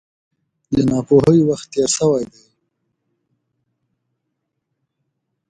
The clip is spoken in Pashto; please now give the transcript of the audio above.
د ناپوهۍ وخت تېر شوی دی.